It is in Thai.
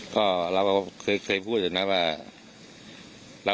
ก็เคยเพิ่งทำตัว